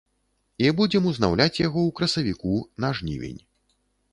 І будзем узнаўляць яго ў красавіку на жнівень.